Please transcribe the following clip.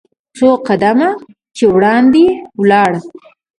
څو قدمه چې وړاندې ولاړ .